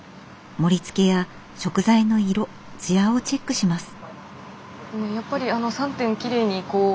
盛りつけや食材の色艶をチェックします。